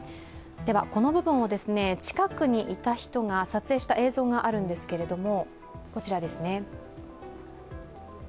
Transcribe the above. この部分を近くにいた人が撮影した映像があるんですけれども、こちらです。